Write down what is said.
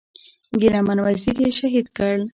ګيله من وزير یې شهید کړ.